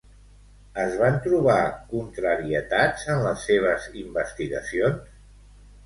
Es van trobar contrarietats en les seves investigacions?